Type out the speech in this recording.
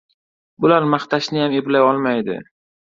— Bular maqtashniyam eplay olmaydi!